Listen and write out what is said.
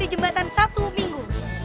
ngga menang bisa menang polisi di warung dada